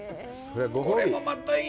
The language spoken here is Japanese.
これもまた、いい。